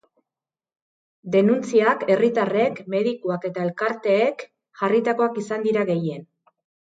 Denuntziak herritarrek, medikuek eta elkarteek jarritakoak izan dira gehien.